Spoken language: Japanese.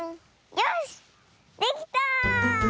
よしできた！